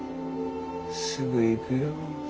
すぐ行くよ。